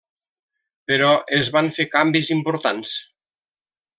Però es van fer canvis importants.